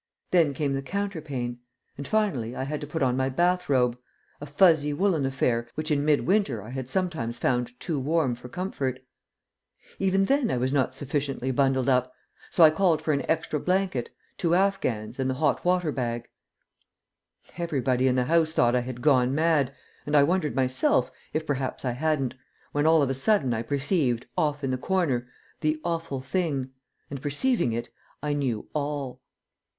Then came the counterpane, and finally I had to put on my bath robe a fuzzy woollen affair, which in midwinter I had sometimes found too warm for comfort. Even then I was not sufficiently bundled up, so I called for an extra blanket, two afghans, and the hot water bag. Everybody in the house thought I had gone mad, and I wondered myself if perhaps I hadn't, when all of a sudden I perceived, off in the corner, the Awful Thing, and perceiving it, I knew all.